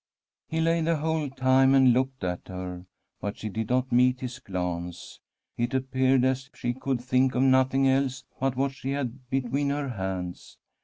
He lay the whole time and looked at her, but she did not meet his glance ; it appeared as if she could think of nothing else but what she had be tween her hands.